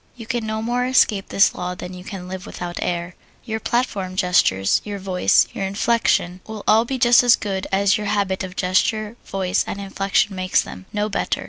You can no more escape this law than you can live without air: Your platform gestures, your voice, your inflection, will all be just as good as your habit of gesture, voice, and inflection makes them no better.